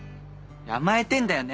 甘えてんだよね